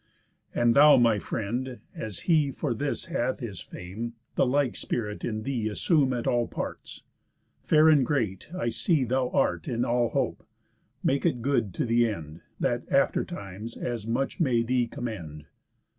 And thou my friend, as he For this hath his fame, the like spirit in thee Assume at all parts. Fair and great, I see, Thou art in all hope, make it good to th' end, That after times as much may thee commend."